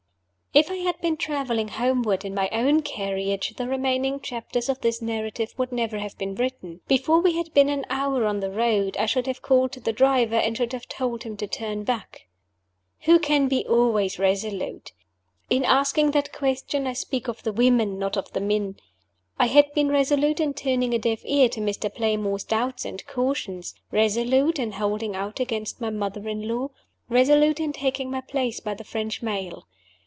IF I had been traveling homeward in my own carriage, the remaining chapters of this narrative would never have been written. Before we had been an hour on the road I should have called to the driver, and should have told him to turn back. Who can be always resolute? In asking that question, I speak of the women, not of the men. I had been resolute in turning a deaf ear to Mr. Playmore's doubts and cautions; resolute in holding out against my mother in law; resolute in taking my place by the French mail.